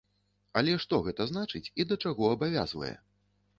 Але што гэта значыць і да чаго абавязвае?